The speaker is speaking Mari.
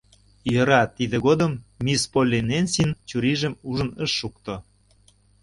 — Йора, тидын годым мисс Полли Ненсин чурийжым ужын ыш шукто.